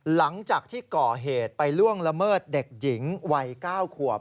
หลังจากที่ก่อเหตุไปล่วงละเมิดเด็กหญิงวัย๙ขวบ